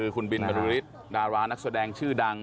คุณบินบรุริสดารานักแสดงชื่อดัง